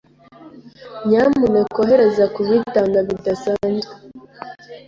Nyamuneka ohereza kubitanga bidasanzwe.